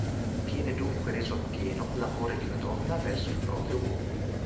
Viene dunque reso appieno l'amore di una donna verso il proprio uomo.